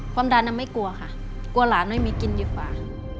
ความดันไม่กลัวค่ะกลัวหลานไม่มีกินดีกว่า